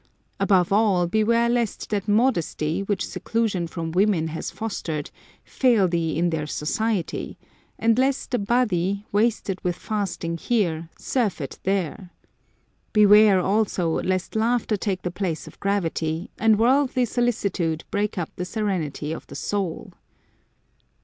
Above all, beware lest that modesty, which seclusion from women has fostered, fail thee in their society ; and lest the body, wasted with fasting here, surfeit there. Beware, also, lest laughter take the place of gravity, and worldly solicitude break up the serenity of the soul."